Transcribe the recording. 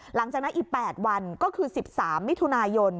หลังจากนั้นอีก๘วันก็คือ๑๓มิถุนายน